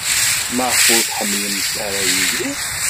Maɣef ur ḥemmlent ara Yidir?